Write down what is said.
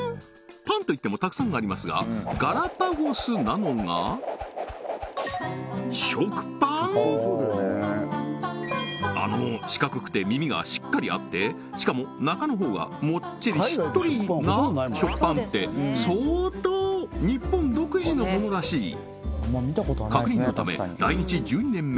パンといってもたくさんありますがガラパゴスなのがあの四角くて耳がしっかりあってしかも中のほうがもっちりしっとりな食パンって相当日本独自のものらしい確認のため来日１２年目